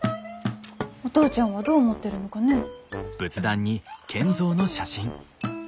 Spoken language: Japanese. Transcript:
お父ちゃんはどう思ってるのかねぇ。